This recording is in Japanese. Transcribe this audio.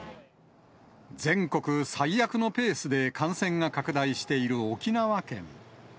全国最悪のペースで感染が拡大している沖縄県。